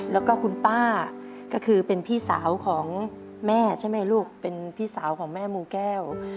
แล้วก็คุณป้าก็คือเป็นพี่สาวของแม่ใช่ไหมลูกเป็นพี่สาวของแม่มูแก้ว